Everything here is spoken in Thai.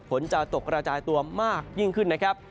ฝนจะตกกระจายตัวมากยิ่งขึ้นนะครับ